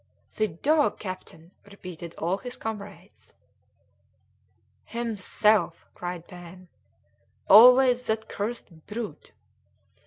"The dog, captain!" repeated all his comrades. "Himself!" cried Pen; "always that cursed brute."